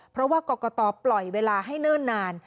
เพราะว่ากรกตปล่อยเวลาให้เนิ่นนาน